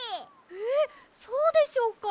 えそうでしょうか？